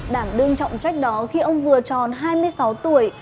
đảng đương trọng trách đó khi ông vừa tròn hai mươi sáu tuổi